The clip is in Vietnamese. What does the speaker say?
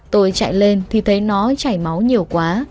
tôi chạy lên thì thấy nó chảy máu nhiều quá